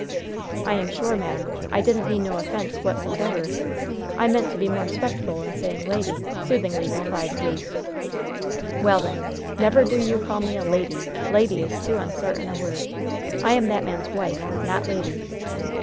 "I am sure, ma'am, I didn't mean no offense wotsomdever. I meant to be more 'spectful in sayin' lady," soothingly replied Luce. "Well, then, never do you call me a 'lady.' 'Lady' is too unsartain a word. I'm that man's wife, not 'lady.'"